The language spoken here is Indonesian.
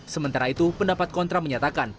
sementara itu pendapat kontra menyatakan